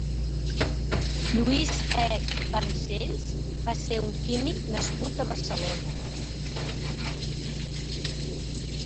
Lluís Eek Vancells va ser un químic nascut a Barcelona.